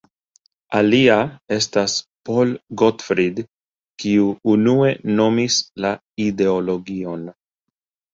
Alia estas Paul Gottfried, kiu unue nomis la ideologion.